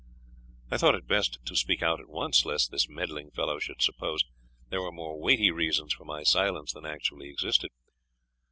I thought it best to speak out at once, lest this meddling fellow should suppose there were more weighty reasons for my silence than actually existed.